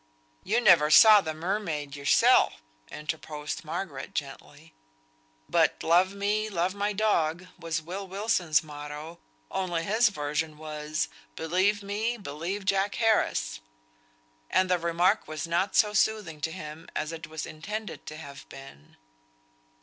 "You never saw the mermaid yoursel," interposed Margaret, gently. But "love me, love my dog," was Will Wilson's motto, only his version was "believe me, believe Jack Harris;" and the remark was not so soothing to him as it was intended to have been.